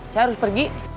saya harus pergi